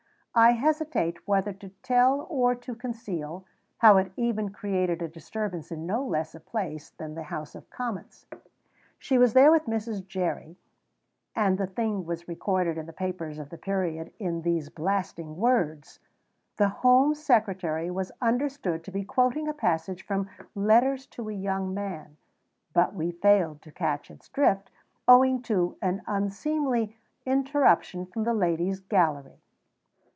I hesitate whether to tell or to conceal how it even created a disturbance in no less a place than the House of Commons. She was there with Mrs. Jerry, and the thing was recorded in the papers of the period in these blasting words: "The Home Secretary was understood to be quoting a passage from 'Letters to a Young Man,' but we failed to catch its drift, owing to an unseemly interruption from the ladies' gallery."